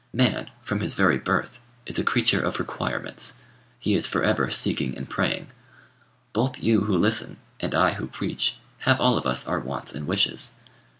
Man, from his very birth, is a creature of requirements; he is for ever seeking and praying. Both you who listen, and I who preach, have all of us our wants and wishes.